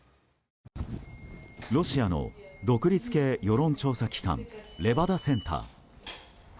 ロシアの独立系世論調査機関レバダセンター。